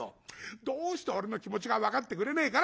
「どうして俺の気持ちが分かってくれねえかな。